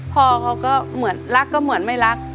พ่อเขาก็เหมือนรักก็เหมือนไม่รัก